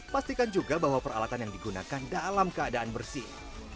pastikan juga bahwa peralatan yang digunakan dalam keadaan bersih